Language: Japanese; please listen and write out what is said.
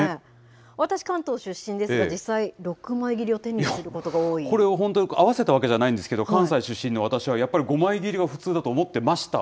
私、関東出身ですが、実際、６枚これは本当に合わせたわけじゃないんですけれども、関西出身の私は、やっぱり５枚切りが普通だと思ってました。